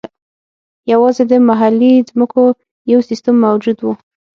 یوازې د محلي ځمکو یو سیستم موجود و.